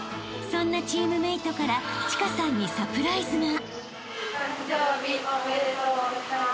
そんなチームメートから千佳さんにサプライズが］